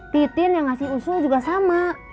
pitin yang ngasih usul juga sama